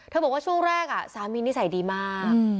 บอกว่าช่วงแรกสามีนิสัยดีมาก